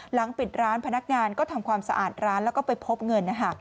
หลังปิดร้านพนักงานก็ทำความสะอาดร้านแล้วก็ไปพบเงิน